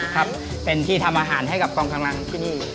ครับเป็นที่ทำอาหารให้กับกองกำลังที่นี่